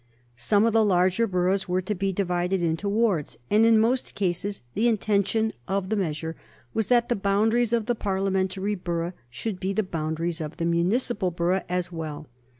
Some of the larger boroughs were to be divided into wards, and in most cases the intention of the measure was that the boundaries of the Parliamentary borough should be the boundaries of the municipal borough as well.